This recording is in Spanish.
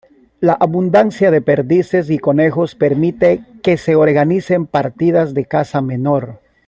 La abundancia de perdices y conejos permite que se organicen partidas de caza menor.